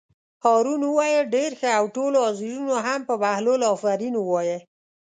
هارون وویل: ډېر ښه او ټولو حاضرینو هم په بهلول آفرین ووایه.